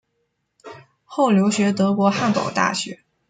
后留学德国汉堡大学。